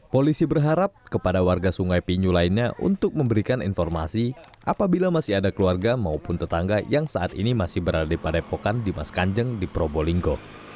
polisi berharap kepada warga sungai pinyu lainnya untuk memberikan informasi apabila masih ada keluarga maupun tetangga yang saat ini masih berada di padepokan dimas kanjeng di probolinggo